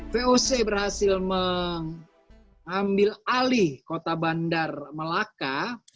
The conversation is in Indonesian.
voc berhasil mengambil alih kota bandar melaka